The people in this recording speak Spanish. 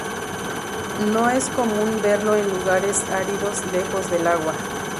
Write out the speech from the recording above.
No es común verlo en lugares áridos lejos del agua.